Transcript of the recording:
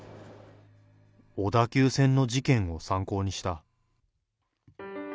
小田急線の事件を参考にした。